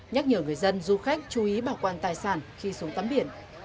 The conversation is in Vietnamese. nhắc nhở người dân du khách chú ý bảo quan tài sản khi xuống tắm biển